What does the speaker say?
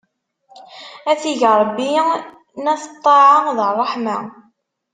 Ad t-ig Ṛebbi n at ṭṭaɛa d ṛṛeḥma!